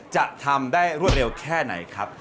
จะทำได้รวดเร็วแค่ไหนครับ